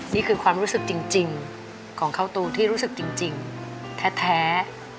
นี่คือความรู้สึกจริงจริงของเขาตูที่รู้สึกจริงจริงแท้แท้